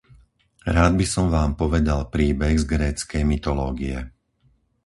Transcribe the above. Rád by som vám povedal príbeh z gréckej mytológie.